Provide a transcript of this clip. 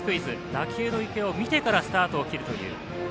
打球の行方を見てからスタートを切るという。